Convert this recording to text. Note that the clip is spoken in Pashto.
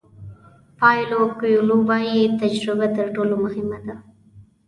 پاویلو کویلو وایي تجربه تر ټولو مهمه ده.